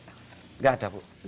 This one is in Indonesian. enggak ada bu